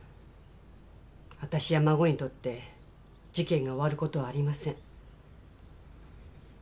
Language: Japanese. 私や孫にとって事件が終わることはありません。